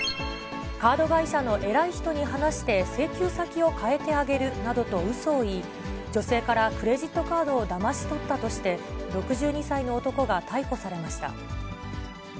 カード会社の偉い人に話して請求先を変えてあげるなどとうそを言い、女性からクレジットカードをだまし取ったとして、６２歳の男が逮捕されました。